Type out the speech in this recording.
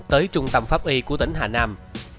tới trung tâm pháp y của tỉnh hà nam